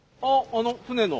あの船の。